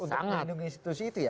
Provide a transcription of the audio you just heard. untuk melindungi institusi itu ya